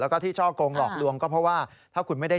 และอาจจะมีบางรายเข้าขายช่อกงประชาชนเพิ่มมาด้วย